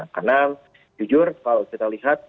karena jujur kalau kita lihat